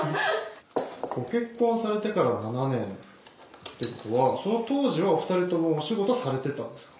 ご結婚されてから７年ってことはその当時はお二人ともお仕事されてたんですか？